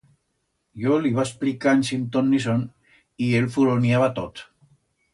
Yo l'iba espllicand sin ton ni son, y él el furoniaba tot.